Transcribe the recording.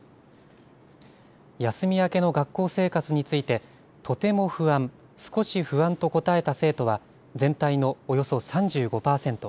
休み明けの学校生活について、とても不安、少し不安と答えた生徒は全体のおよそ３５％。